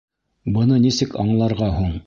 Быны нисек аңларға һуң?